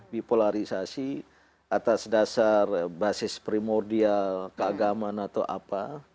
bipolarisasi atas dasar basis primordial keagamaan atau apa